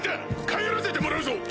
帰らせてもらうぞ！